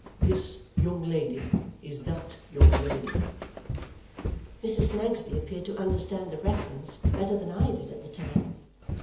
This young lady is that young lady." Mrs. Snagsby appeared to understand the reference better than I did at the time.